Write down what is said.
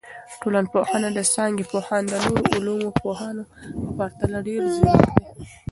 ټولنپوهنه د څانګي پوهان د نورو علومو د پوهانو په پرتله ډیر ځیرک دي.